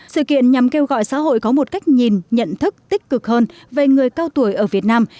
sự kiện nhằm kêu gọi xã hội có một cách nhìn nhận thức tích cực hơn về người cao tuổi ở việt nam